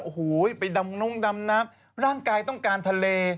โอ้โหไปดำน่มนัพร่างกายต้องการทะเล